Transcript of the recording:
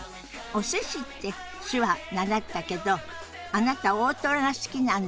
「お寿司」って手話習ったけどあなた大トロが好きなんですって？